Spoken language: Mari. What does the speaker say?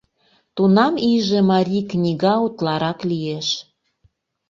Тунам иже марий книга утларак лиеш.